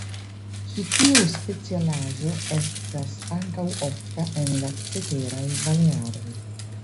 Ĉi tiu specialaĵo estas ankaŭ ofta en la ceteraj Balearoj.